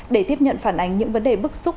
để tiếp nhận phản ánh những vấn đề bức xúc